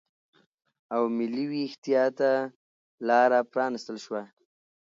او ملي وېښتیا ته لاره پرا نستل شوه